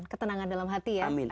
ketenangan dalam hati ya